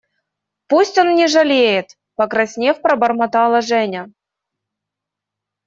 – Пусть он не жалеет, – покраснев, пробормотала Женя.